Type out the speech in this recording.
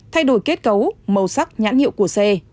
thay đổi kết cấu màu sắc nhãn hiệu của xe